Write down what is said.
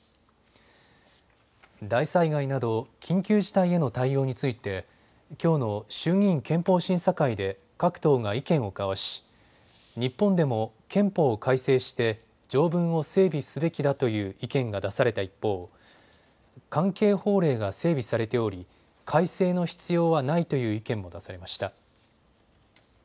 大災害など緊急事態への対応についてきょうの衆議院憲法審査会で各党が意見を交わし日本でも憲法を改正して条文を整備すべきだという意見が出された一方、関係法令が整備されており改正の必要はないという意見も出されました。